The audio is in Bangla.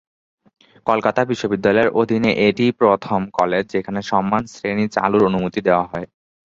কলকাতা বিশ্ববিদ্যালয়ের অধীনে এটিই প্রথম কলেজ যেখানে সম্মান শ্রেণি চালুর অনুমতি দেওয়া হয়।